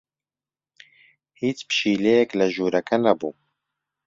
هیچ پشیلەیەک لە ژوورەکە نەبوو.